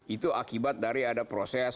itu akibat dari ada proses